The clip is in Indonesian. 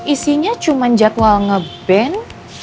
isinya cuma jadwal nge ban